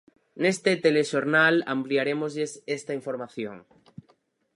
Neste telexornal ampliarémoslles esta información.